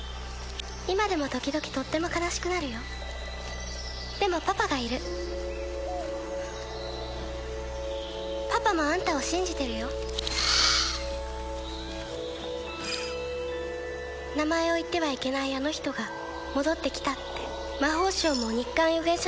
今でも時々とっても悲しくなるよでもパパがいるパパもあんたを信じてるよ「名前を言ってはいけないあの人」が戻ってきたって魔法省も日刊予言者